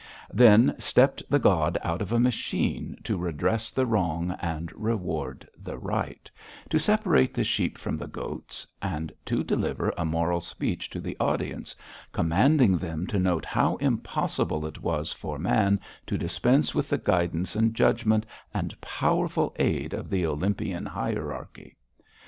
Then stepped the god out of a machine to redress the wrong and reward the right, to separate the sheep from the goats and to deliver a moral speech to the audience, commanding them to note how impossible it was for man to dispense with the guidance and judgment and powerful aid of the Olympian Hierarchy.